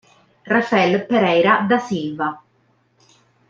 Rafael Pereira da Silva